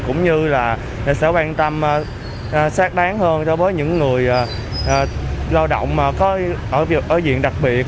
cũng như là sẽ quan tâm sát đáng hơn cho những người lao động có ở viện đặc biệt